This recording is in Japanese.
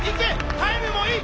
タイムもいい！